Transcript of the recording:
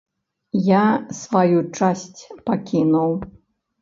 Я сваю часць пакінуў.